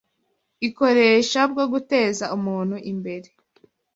ikoresha bwo guteza umuntu imbere